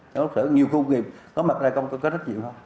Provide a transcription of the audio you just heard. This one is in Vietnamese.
giáo đốc sở ở nhiều khu công nghiệp có mặt ra có trách nhiệm không